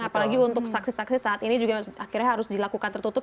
apalagi untuk saksi saksi saat ini juga akhirnya harus dilakukan tertutup